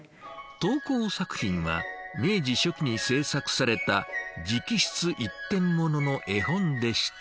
投稿作品は明治初期に制作された直筆一点物の絵本でした。